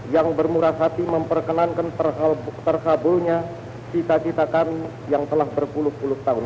yang bermurah hati memperkenankan terkabulnya cita cita kami yang telah berpuluh puluh tahun